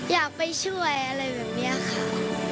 อยากไปช่วยอะไรแบบนี้ค่ะ